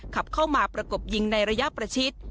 ขับเข้ามาประกบยิงในระยะประชิด